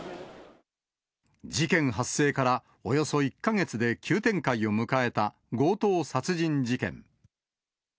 事件発生からおよそ１か月で急展開を迎えた強盗殺人事件。